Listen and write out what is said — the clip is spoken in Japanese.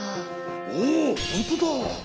おおっほんとだ！